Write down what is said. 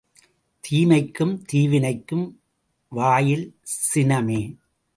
தீமைக்கும் தீவினைக்கும் வாயில் சினமே!